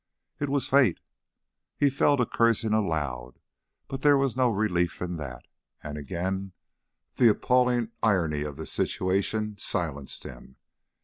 It was fate.... He fell to cursing aloud, but there was no relief in that, and again the appalling irony of the situation silenced him.